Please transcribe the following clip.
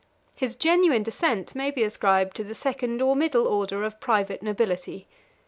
39 His genuine descent may be ascribed to the second or middle order of private nobility.